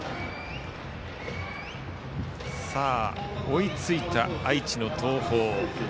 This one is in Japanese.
追いついた愛知の東邦。